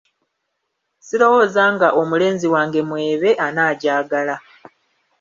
Sirowooza nga omulenzi wange Mwebe, anaagyagala.